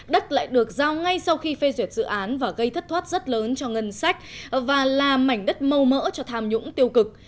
đất lại được giao ngay sau khi phê duyệt dự án và gây thất thoát rất lớn cho ngân sách và là mảnh đất mâu mỡ cho tham nhũng tiêu cực